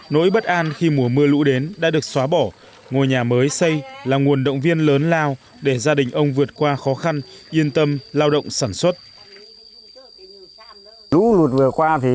nỗi bất an khi mùa mưa lũ đến đã được xóa bỏ ngôi nhà mới xây là nguồn động viên lớn lao để gia đình ông vượt qua khó khăn yên tâm lao động sản xuất